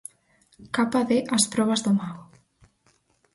Capa de 'As probas do mago'.